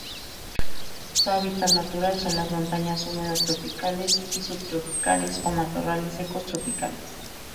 Su hábitat natural son las montañas húmedas tropicales y subtropicales o matorrales secos tropicales.